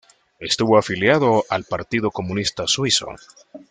Estuvo afiliado al Partido Comunista Suizo.